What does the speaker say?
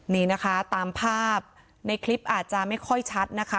นี่นะคะตามภาพในคลิปอาจจะไม่ค่อยชัดนะคะ